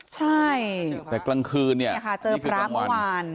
ใช่แต่กลางคืนเนี่ยค่ะเจอพระเมื่อวาน